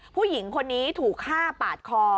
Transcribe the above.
ผู้หญิงคนนี้ถูกฆ่าปาดคอ